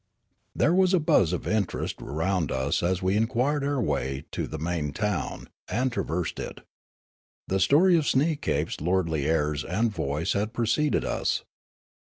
There was a buzz of interest around us as we in quired our way to the main town, and traversed it. The story of Sneekape's lordly airs and voice had pre ceded us.